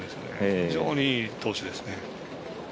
非常にいい投手です。